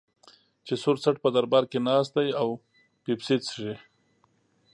چې سور څټ په دربار کې ناست دی او پیپسي څښي.